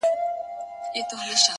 ستا څخه چي ياره روانـــــــــــېــږمه ـ